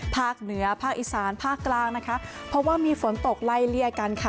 ภาคเหนือภาคอีสานภาคกลางนะคะเพราะว่ามีฝนตกไล่เลี่ยกันค่ะ